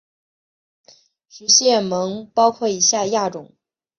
食蟹獴包括以下亚种